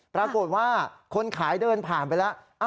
ปรากฏว่าคนขายเดินผ่านไปแล้ว